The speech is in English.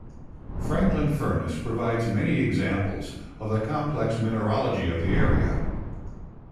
Franklin Furnace provides many examples of the complex mineralogy of the area.